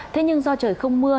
thế nhưng do trời không mưa